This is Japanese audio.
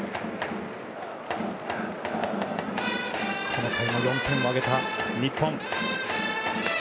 この回も４点を挙げた日本。